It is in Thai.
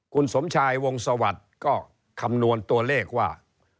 คุณสมชายวงศวรรษก็คำนวนตัวเลขว่า